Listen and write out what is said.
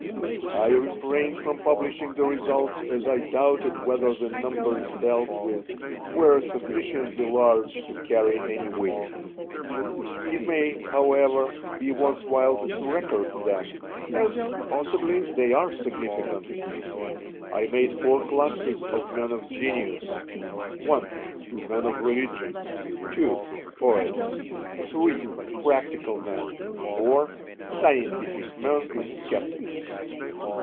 I refrained from publishing the results as I doubted whether the numbers dealt with were sufficiently large to carry any weight. It may, however, be worth while to record them, as possibly they are significant. I made four classes of men of genius: (1) Men of Religion, (2) Poets, (3) Practical Men, (4) Scientific Men and Sceptics.